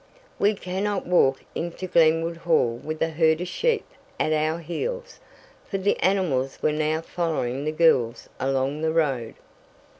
We cannot walk into Glenwood Hall with a herd of sheep at our heels," for the animals were now following the girls along the road.